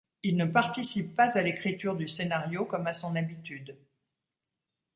Il ne participe pas à l'écriture du scénario comme à son habitude.